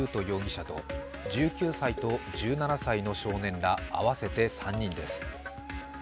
容疑者と１９歳と１７歳の少年ら合わせて３人です。